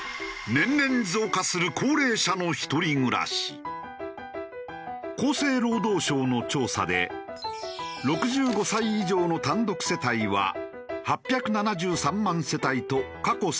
年々厚生労働省の調査で６５歳以上の単独世帯は８７３万世帯と過去最多を更新。